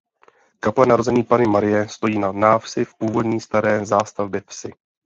Kaple Narození Panny Marie stojí na návsi v původní staré zástavbě vsi.